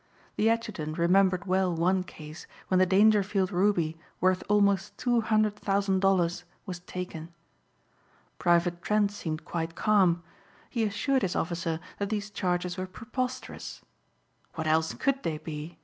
The adjutant remembered well one case when the Dangerfield ruby worth almost two hundred thousand dollars was taken. Private Trent seemed quite calm. He assured his officer that these charges were preposterous. "What else could they be?"